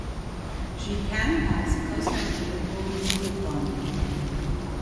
Gitane bicycles are available in Europe only.